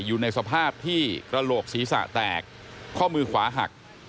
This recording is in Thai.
อยู่ในสภาพที่กระโหลกศีรษะแตกข้อมือขวาหัก